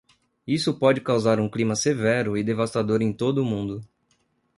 Isso pode causar um clima severo e devastador em todo o mundo.